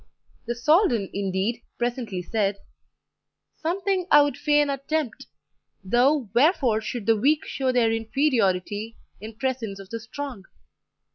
The Soldan, indeed, presently said: "Something I would fain attempt, though wherefore should the weak show their inferiority in presence of the strong?